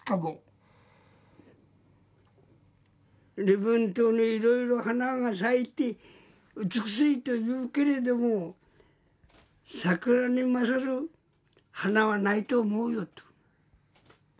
礼文島にいろいろ花が咲いて美しいというけれども桜に勝る花はないと思うよと。